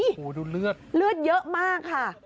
โอ้โหดูเลือดเลือดเยอะมากค่ะ